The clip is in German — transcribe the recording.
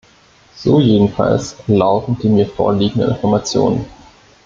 So jedenfalls lauten die mir vorliegenden Informationen.